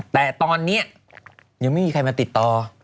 แต่ตอนนี้ยังไม่มีใครมาติดต่อ